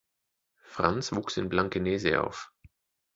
Franz wuchs in Blankenese auf.